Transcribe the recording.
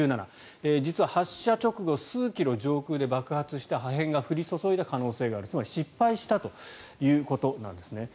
実は発射直後、数キロ上空で爆発して破片が降り注いだ可能性があるつまり失敗したということです。